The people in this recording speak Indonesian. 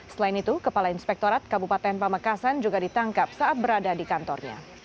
selain itu kepala inspektorat kabupaten pamekasan juga ditangkap saat berada di kantornya